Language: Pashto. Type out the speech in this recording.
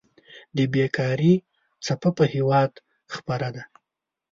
د بيکاري څپه په هېواد خوره ده.